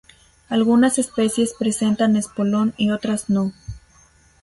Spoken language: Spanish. Algunas especies presentan espolón y otras no.